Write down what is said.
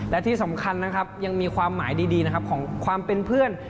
และที่สำคัญยังมีความหมายดีของความเป็นเพื่อน